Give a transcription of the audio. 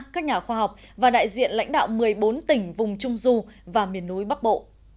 các nhà khoa học và đại diện lãnh đạo một mươi bốn tỉnh vùng trung du và miền núi bắc bộ